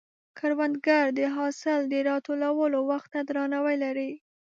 کروندګر د حاصل د راټولولو وخت ته درناوی لري